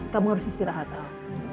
kamu harus istirahat al